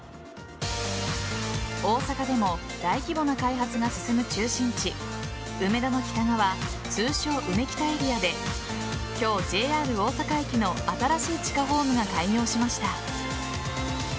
大阪でも大規模な開発が進む中心地梅田の北側通称・うめきたエリアで今日、ＪＲ大阪駅の新しい地下ホームが開業しました。